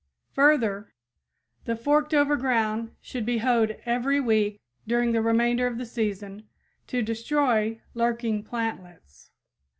Further, the forked over ground should be hoed every week during the remainder of the season, to destroy lurking plantlets.